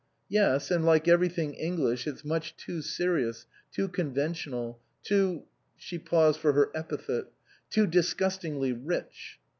" Yes, and like everything English, it's much too serious, too conventional, too " she paused for her epithet "too disgustingly rich."